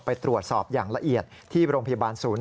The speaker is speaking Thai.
โสบไปตรวจสอบอย่างละเอียดจะนำสอบไปตรวจสอบอย่างละเอียด